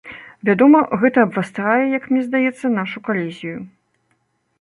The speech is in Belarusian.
Вядома, гэта абвастрае, як мне здаецца, нашу калізію.